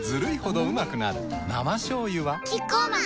生しょうゆはキッコーマン